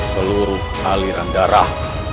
seluruh aliran darah